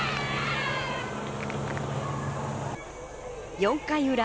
４回裏。